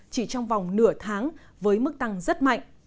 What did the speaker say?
chỉ trong vòng nửa tháng với mức tăng rất mạnh